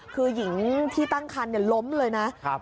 คือหญิงที่ตั้งคันล้มเลยนะ